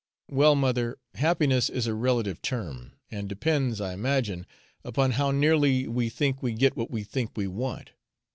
"Well, mother, happiness is a relative term, and depends, I imagine, upon how nearly we think we get what we think we want.